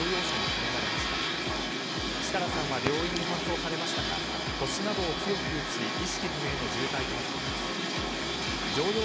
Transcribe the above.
設楽さんは病院に搬送されましたが腰などを強く打ち意識不明の重体となっています。